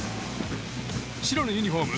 白のユニホーム